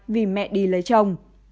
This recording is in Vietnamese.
vì mẹ đi lấy chồng